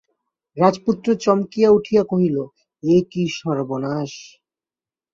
রাজপুত্র চমকিয়া উঠিয়া কহিল, এ কী সর্বনাশ!